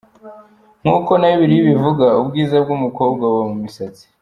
Nk’uko na bibiliya ibivuga, ubwiza bw’umukobwa buba mu misatsi.